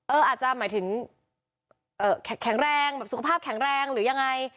อาจจะหมายถึงแข็งแรงแบบสุขภาพแข็งแรงหรือยังไง